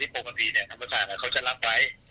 ที่ปฏิธรรมศาลไปตัวเขาจะรับไป